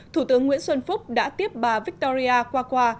thủ tướng nguyễn xuân phúc đã tiếp bà victoria qua